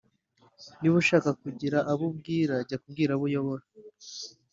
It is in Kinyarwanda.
Niba ushaka kugira abo ubwira jya kubwira abo uyobora